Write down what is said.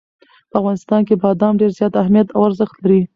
په افغانستان کې بادام ډېر زیات اهمیت او ارزښت لري.